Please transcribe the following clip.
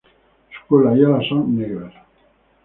Su cola y alas son negras.